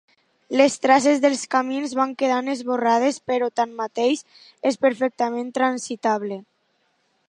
Les traces dels camins van quedant esborrades però tanmateix és perfectament transitable.